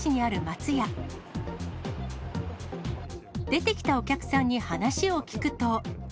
出てきたお客さんに話を聞くと。